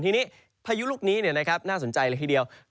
ทีนี้พายุลูกนี้นะครับน่าสนใจละทีเดียว